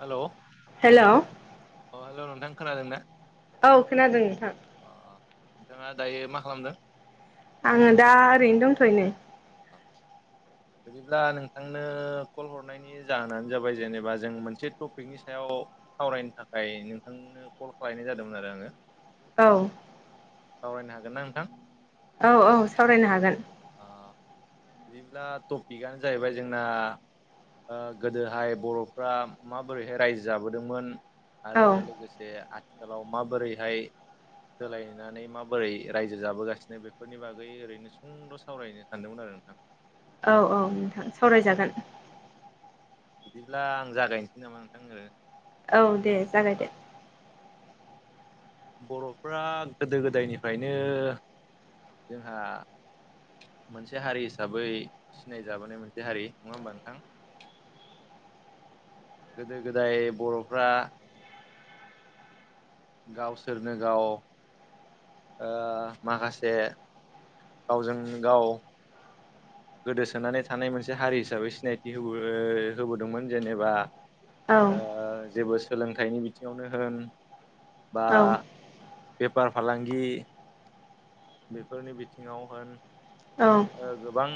हेल' hello अ hello नोंथां खोनादों ना। औ खोनादों नोंथां। अ नोंथाङा दायो मा खालामदों। आङो दा ओरैनो दंथ'यो नै। बिदिब्ला नोंथांनो कल हरनायनि जाहोनानो जाबाय जेनेबा जों मोनसे टपिकनि सायाव। सावरायनो थाखाय नोंथांनो कल खालायनाय जादोंमोन आरो आङो। ओं। सावरायनो हागोन ना नोंथां। औ औ सावरायनो हागोन। ओ बिदिब्ला टपिकआनो जाहैबाय जोंना ओ गोदोहाय बर'फ्रा माबोरैहाय रायजो जाबोदोंमोन। औ आरो लोगोसे आथिखालाव माबोरैहाय सोलायनानै माबोरै रायजो जाबोगासिनो बेफोरनि बागै ओरैनो सुंद'। सावरायनो सानदोंमोन आरो नोंथां। औ औ नोंथां सावरायजागोन। बिदिब्ला आं जागायनोसै नामा नोंथांनो। ओ औ दे जागाय दो। बर'फ्रा गोदो गोदायनिफ्रायनो जोंहा मोनसे हारि हिसाबै सिनायजाबोनाय मोनसे हारि नङा होमबा नोंथां। गोदो गोदाय बर'फ्रा। गावसोरनो गाव ओ माखासे गावजों गाव। गोदोसोनानै थानाय मोनसे हारि हिसाबै सिनायथि होबो होबोदोंमोन जेनेबा औ ओ जेबो सोलोंथाइनि बिथिङावनो होन बा औ बेफार फालांगि बेफोरनि बिथिङाव होन औ। ओ गोबां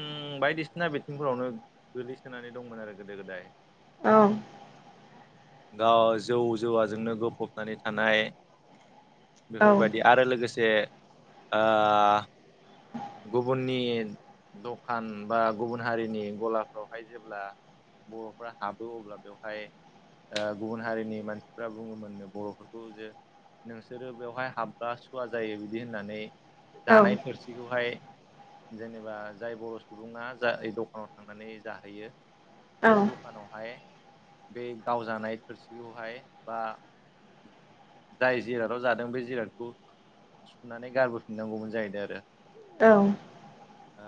बायदिसिना बिथिंफोरावनो गोल्लैसोनानै दंमोन आरो गोदो गोदाय। औ। गाव जौ जौवाजोंनो गफबनानै थानाय। औ बेफोरबायदि आरो लोगोसे आ गुबुननि दखान बा गुबुन हारिनि गलाफ्रावहाय जेब्ला बर'फ्रा हाबो अब्ला बेवहाय ओ गुबुन हारिनि मानसिफ्रा बुङोमोननो बर'फोरखौ जे नोंसोरो बेवहाय हाब बा सुवा जायो बिदि होननानै औ जानाय थोरसिखौहाय जेनेबा जाय बर' सुबुङा जाय दखानाव थांनानै जाहैयो औ बै दखानावहाय बे गावजानाय थोरसिखौहाय बा जाय जिरादाव जादों बे जिरादखौ सुनानै गारबोफिननांगौमोन जाहैदों आरो। औ। आ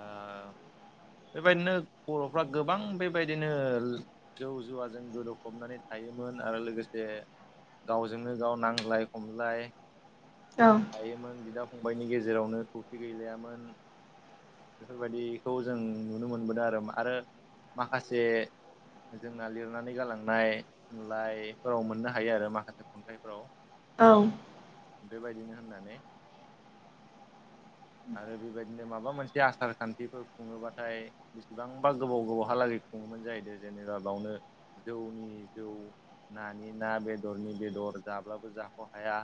बेबादिनो बरफ्रा गोबां बे बायदिनो जौ जुवाजों गोदोफबनानै थायोमोन आरो लोगोसे गावजोंनो गाव नांज्लाय खमज्लाय। औ। थायोमोन बिदा फंबायाइनि गेजेरावनो खौसे गैलायामोन। बेफोरबायदिखौ जों नुनो मोनबोदों आरो आरो माखासे जोंना लिरनानै गालांनाय थुनलाइफोराव मोननो हायो आरो माखासे खन्थाइफ्राव। औ। बेबायदिनो होननानै आरो बेबायदिनो माबा मोन से आसार खान्थिफोर खुङोबाथाय बेसेबांबा गोबाव गोबावहालागै खुङोमोन जाहैदों जेनेबा बावनो जौनि जौ नानि ना बेदरनि बेदर जाब्लाबो जाख' हाया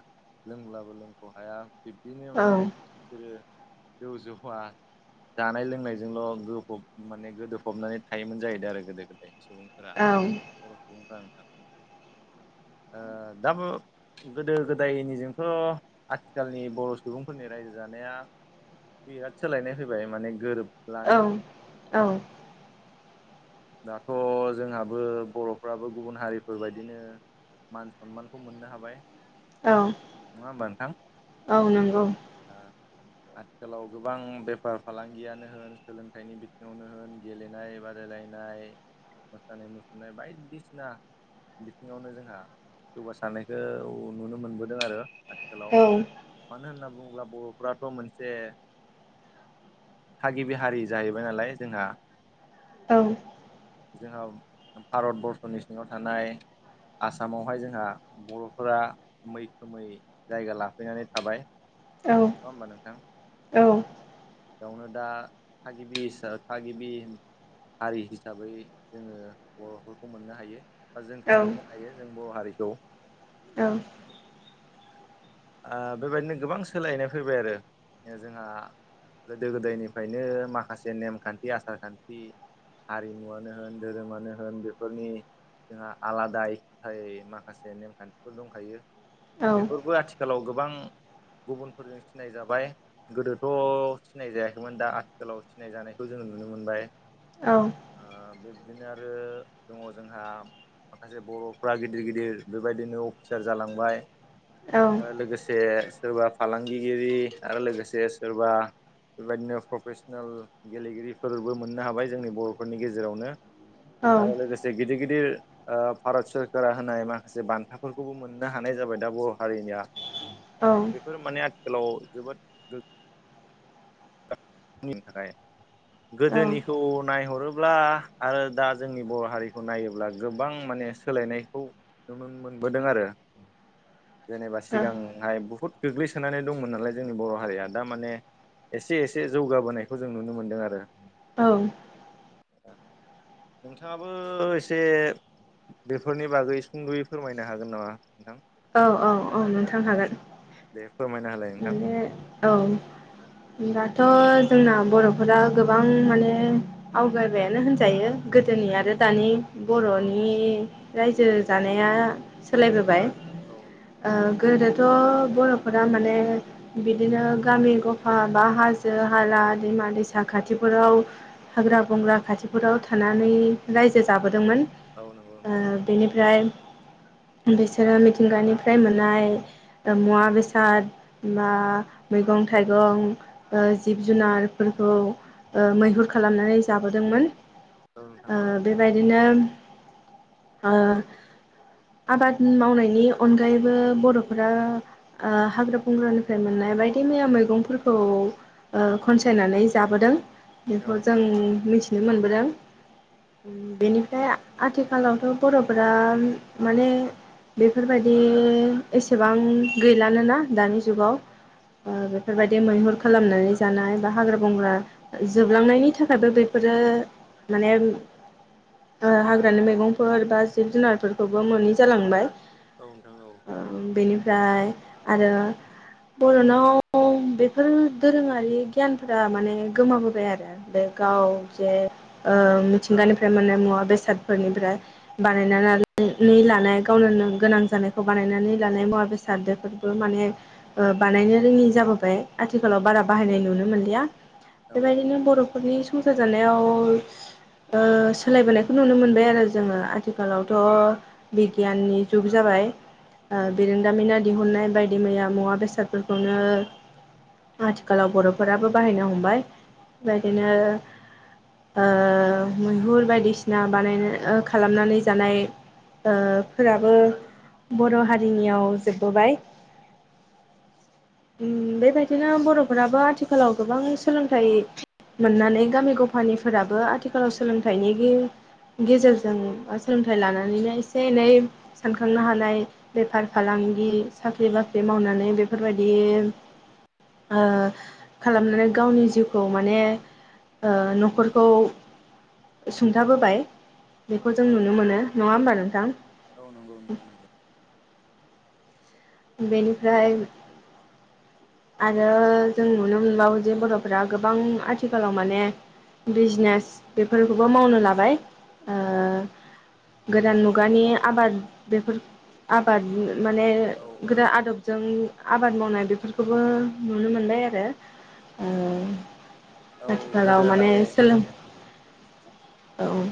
लोंब्लाबो लोंख' हाया। बिब्दिनो औ माने बिसोरो जौ जौफा जानाय लोंनायजोंल' गोफब माने गोदोफबनानै थायोमोन जाहैदों आरो गोदो गोदाय। सुबुंफोरा बर' सुबुंफोरा ओंखारां ओ दाबो गोदो गोदायनिजोंथ' आथिखालनि बर' सुबुंफोरनि रायजो जानाया बिराद सोलायनाय फैबाय माने गोरोब औ औ। दाथ' जोंहाबो बर'फ्राबो गुबुन हारिफोरबायदिनो मान सनमानखौ मोननो हाबाय। औ नङा होमबा नोंथां? औ नंगौ आ आथिखालाव गोबां बेफार फालांगियानो होन सोलोंथाइनि बिथिङावनो होन गेलेनाय बादायलाय नाय मोसानाय मुसुरनाय बायदिसिना बिथिङावनो जोंहा जौगासारनायखौ नुनो मोनबोदों आरो आथि खालाव औ मानो होनना बुङोब्ला बर'फोराथ' मोनसे थागिबि हारि जाहैबाय नालाय जोंहा। औ। जोंहा भारतबर्षनि सिङाव थानाय आसामावहाय जोंहा बर'फोरा मैखोमै जायगा लाफैनानै थाबाय। औ। नङा होमबा नोंथां? औ। बेयावनो दा थागिबि हिसाब थागिबि हारि हिसाबै जोङो बर'फोरखौ मोननो हायो। बा जोंखौ मोननो हायो जों बर' हारिखौ। औ। आ बेबायदिनो गोबां सोलायनाय फैबाय आरो। दा जोंहा गोदो गोदायनिफ्रायनो माखासे नेमखान्थि आसार खान्थि हारिमुवानो होन, धोरोमानो होन बेफोरनि जोंहा आलादा [inaudible] माखासे नेमखान्थिफोर दंखायो। बेफोरबो आथिखालाव गोबां गुबुनफोरजों सिनाय जाबाय गोदोथ' सिनाय जायाखैमोन दा आथिखालाव सिनाय जानायखौ जोङो नुनो मोनबाय। औ। ओ बिब्दिनो आरो दङ जोंहा माखासे बर'फ्रा गिदिर गिदिर बेबायदिनो अफिसार जालांबाय। आरो लोगोसे सोरबा फालांगिगिरि आरो लोगोसे सोरबा बेबायदिनो प्रफेसनेल गेलेगिरिफोरबो मोननो हाबाय जोंनि बर'फोरनि गेजेरावनो। आरो लोगोसे गिदिर गिदिर ओ भारत सरकारा होनाय माखासे बान्थाफोरखौबो मोननो हानाय जाबाय दा बर' हारिनिया। बेफोर माने आथिखालाव जोबोद [unintelligible] थाखाय गोदोनिखौ नायहरोब्ला आरो दा जोंनि बर' हारिखौ नायोब्ला गोबां माने सोलायनायखौ नुनो मोनबोदों आरो। जेनेबा औ सिगां हाय बहुत गोग्लैसोनानै दंमोन नालाय जोंनि बर' हारिया दा माने एसे एस से जौगाबोनायखौ जों नुनो मोनदों आरो। औ। ओ नोंथाङाबो एसे बेफोरनि बागै सुंद'यै फोरमायनो हागोन नामा नोंथां? औ औ औ नोंथां हागोन। दे फोरमायना होलाय नोंथां माने औ। दाथ' जोंना बर'फोरा गोबां माने आवगायबायानो होनजायो। गोदोनि आरो दानि बर'नि रायजो जानाया औ नोंथां सोलायबोबाय औ। ओ गोदोथ' बर'फोरा माने बिदिनो गामि गफा बा हाजो हाला दैमा दैसा खाथिफोराव हाग्रा बंग्रा खाथिफोराव थानानै रायजो जाबोदोंमोन। औ नंगौ ओ नोंथां बेनिफ्राय बिसोरो मिथिंगानिफ्राय मोननाय ओ मुवा बेसाद बा मैगं थाइगं ओ जिब जुनारफोरखौ ओ मैहुर खालामनानै जाबोदोंमोन। औ नोंथां ओ औ बेबायदिनो ओ आबाद मावनायनि अनगायैबो बर'फोरा आ हाग्रा बंग्रानिफ्राय मोननाय बायदि मैया मैगंफोरखौ ओ खनसायनानै जाबोदों औ बेखौ जों नोंथां मिथिनो मोनबोदों। ओम बेनिफ्राय आथिखालावथ' बर'फोरा माने बेफोरबादि एसेबां गैलानोना दानि जुगाव ओ बेफोरबायदि मैहुर खालामनानै जानाय बा हाग्रा बंग्रा। जोबलांनायनि थाखायबो बेफोरो माने ओ हाग्रानि मैगंफोर बा जिब जुनारफोरखौबो मोनि जालांबाय औ नोंथां औ। बेनिफ्राय आरो बर'नाव बेफोर दोरोङारि गियानफोरा माने गोमाबोबाय आरो बे गाव जे ओ मिथिंगानिफ्राय मोन्नाय मुवा बेसादफोरनिफ्राय बानायनानै लानाय गावनो नो गोनां जानायखौ बानायनानै लानाय मुवा बेसादफोरबो माने ओ बानायनो रोङि जाबोबाय आथिखालाव बारा बाहायनाय नुनो मोनलिया औ बेबायदिनो बर'‌ फोरनि संसार जानायाव ओ सोलायबोनायखौ नुनो मोनबाय आरो जोङो आथिखालावथ' बिगियाननि जुग जाबाय औ ओ बिरोंदामिना दिहुननाय बायदि मैया मुवा बेसादफोरखौनो आथिखालाव बर'फोराबो बाहायनो हमबाय बेबायदिनो ओ मैहुर बायदिसिना बानायनो ओ खालामनानै जानाय ओ फोराबो बर' हारिनियाव जोबबोबाय। ओम बेबायदिनो बर'फोराबो आथिखालाव गोबां सोलोंथाइ मोननानै गामि गफानिफोराबो आथिखालाव सोलोंथाइनि गि गेजेरजों सोलोंथाइ लानानैनो एसे एनै सानखांनो हानाय बेफार फालांगि साख्रि बाख्रि मावनानै बेफोरबायदि ओ खालामनानै गावनि जिउखौ माने ओ न'खरखौ सुंथाबोबाय बेखौ जों नुनो नोंथां मोनो नङा होमबा नोंथां? औ नंगौ नोंथां नंगौ। बेनिफ्राय आरो जों नुनो मोनबावो जे बर'फोरा गोबां आथिखालाव माने बिजनेस बेफोरखौबो मावनो लाबाय ओ गोदान मुगानि आबाद बेफोर आबाद माने औ औ गोदो आदबजों आबाद मावनाय बेफोर बेखौबो नुनो मोनबाय आरो ओ औ आथिखालाव माने गोदोहाय औ सोलों औ।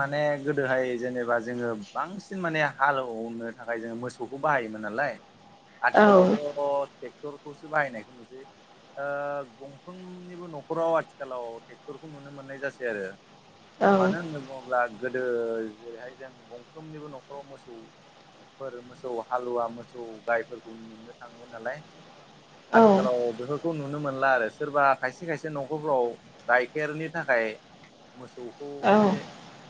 माने गोदोहाय जेनेबा जोङो बांसिन माने हालौवनो थाखाय जोङो मोसौखौ बाहायोमोन नालाय औ आथिखालावथ' ट्रेक्टरखौसो बाहायनायखौ नुनो मोनसै। ओ गंफ्रोमनिबो न'खराव आथिखालाव टेक्ट खौ नुनो मोननाय जासै आरो औ मानो होनोबा अब्ला गोदो जेरैहाय जों गंफ्रोमनिबो न'खराव मोसौ फोर मोसौ हालुवा मोसौ गायफोरखौ मोननो थाङोमोन नालाय। औ आथिखालाव बेफोर खौ नुनो मोनला आरो सोरबा खायसे खायसे न'खरफ्राव गाइखेरनि थाखाय मोसौखौ औ एसे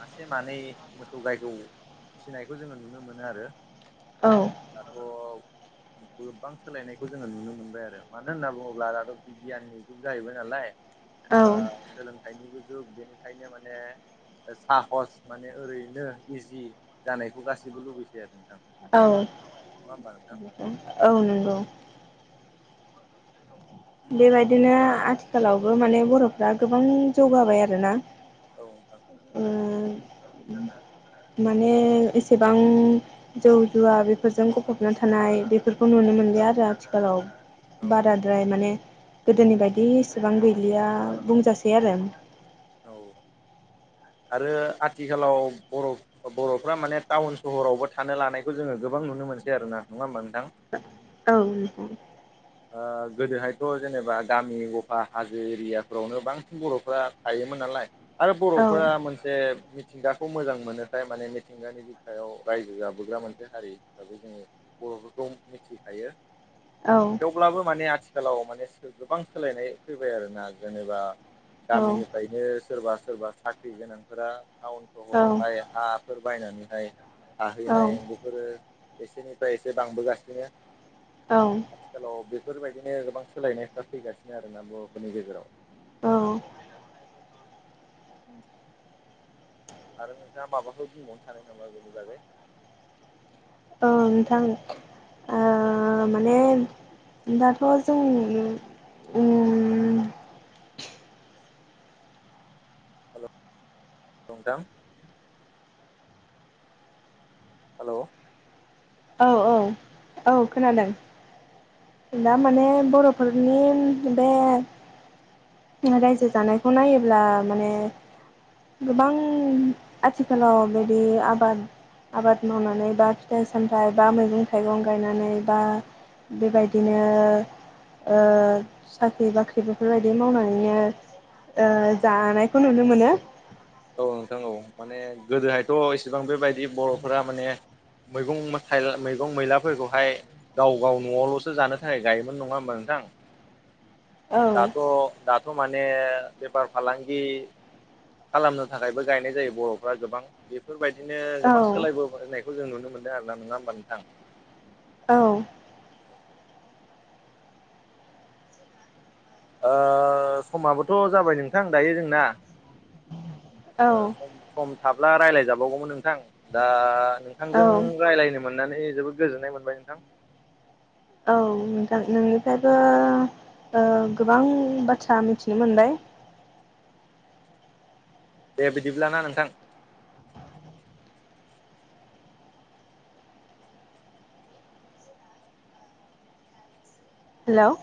मासे मानै मोसौ गायखौ फिसिनायखौ जोङो नुनो मोनो आरो औ दाथ' गोबां सोलायनायखौ जोङो नुनो मोनबाय आरो मानो होनना बुङोब्ला दाथ' बिगियाननि जुग जाहैबाय नालाय ओ औ सोलोंथाइनिबो जुग बेनिखायनो माने ओ साहस माने ओरैनो इजि जानायखौ गासैबो लुबैसै आरो नोंथां। औ होमबा नोंथां औ नंगौ। बेबायदिनो आथिखालावबो माने बर'फ्रा गोबां जौगाबाय आरोना औ नोंथां। ओ माने एसेबां जौ जुवा बेफोरजों गफबना थानाय बेफोरखौ नुनो मोनलिया आरो आथिखालाव। बाराद्राय माने गोदोनि बायदि इसेबां गैलिया बुंजासै आरो। औ आरो आथिखालाव बर' बर'फ्रा माने टाउन सहरावबो थानो लानायखौ जोङो गोबां नुनो मोनसै आरोना, नङा होमबा नोंथां? औ नोंथां। ओ गोदोहायथ' जेनेबा गामि गफा हाजो एरियाफोरावनो बांसिन बर'फ्रा थायोमोन नालाय आरो बर'फोरा मोन से मिथिंगाखौ मोजां मोनोखाय माने मिथिंगानि बिखायाव रायजो जाबोग्रा मोनसे हारि, दा बेनो बर'फोरखौ मिथिखायो। औ। अब्लाबो माने आथिखालाव माने गोबां सोलायनाय फैबाय आरोना जेनेबा औ गामिनिफ्रायनो सोरबा सोरबा साख्रि गोनांफोरा टाउन औ सहरावहाय हाफोर बायनानैहाय थाहैनाय बे फोरो एसेनिफ्राय एसे बांबोगासिनो। औ। आथिखालाव बेफोरबायदिनो गोबां सोलायनायफ्रा फैगासिनो आरोना बर'फोरनि गेजेराव। औ। नोंथां आरो नोंथाङा माबाफोर बुंबावनो सानो नामा बेनि बागै? औ नोंथां ओ माने दाथ' जोङो उम हेल' [unintelligible] हेलौ? औ औ औ खोनादों। दा माने बर'फोरनि बे रायजो जानायखौ नायोब्ला माने गोबां आथिखालाव बिदि आबाद आबाद मावनानै बा फिथाइ सामथाइ बा मैगं थाइगं गायनानै बा बेबायदिनो ओ साख्रि बाख्रि बेफोरबायदि मावनानै नो ओ जानायखौ नुनो मोनो। औ नोंथां औ माने गोदोहायथ' इसेबां बेबायदि बर'फोरा माने मैगं थाइला मैगं मैलाफोरखौहाय गाव गाव न'आवल'सो जानो थाखाय गायोमोन नङा होमबा नोंथां? औ दाथ' दाथ' माने बेफार फालांगि खालामनो थाखायबो गायनाय जायो बर'फ्रा गोबां बेफोरबायदिनो औ गोबां सोलायबो नायखौ जों नुनो मोनदों आरोना नङा होमबा नोंथां? औ। ओ समाबोथ' जाबाय नोंथां दायो जोंना। औ ओ सम सम थाब्ला रायज्लायजाबावगौमोन नोंथां, दा नोंथांजों रायलायनो मोननानै जोबोद गोजोननाय मोनबाय नोंथां। औ नोंथां नोंनिफ्रायबो ओ गोबां बाथ्रा मिथिनो मोनबाय। दे बिदिब्लााना नोंथां। हेल'।